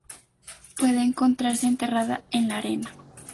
Puede encontrarse enterrada en la arena.